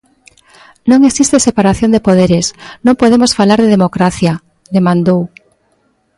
Non existe separación de poderes, non podemos falar de democracia, demandou.